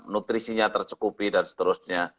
nutrisinya tercukupi dan seterusnya